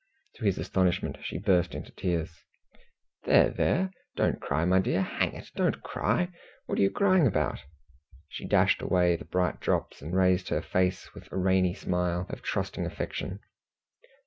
To his astonishment she burst into tears. "There there! Don't cry, my dear. Hang it, don't cry. What are you crying about?" She dashed away the bright drops, and raised her face with a rainy smile of trusting affection.